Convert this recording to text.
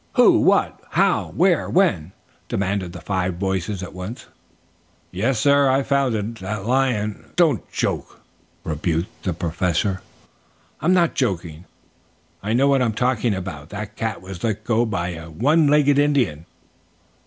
"Who, what, how, where, when?" demanded five voices at once. "Yes, sir, I've found it. That lion " "Don't joke," rebuked the Professor. "I'm not joking. I know what I'm talking about. That cat was let go by a one legged Indian.